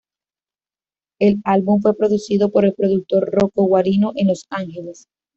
El álbum fue producido por el productor Rocco Guarino en Los Ángeles.